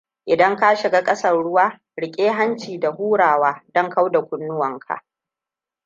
Idan ka shiga kasan ruwa, riƙe hanci da hurawa don kauda kunnuwan ka.